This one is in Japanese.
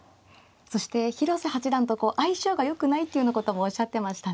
そして広瀬八段と相性がよくないっていうようなこともおっしゃってましたね。